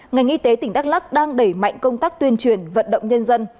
ngành y tế tỉnh đắk lắc đang đẩy mạnh công tác tuyên truyền vận động nhân dân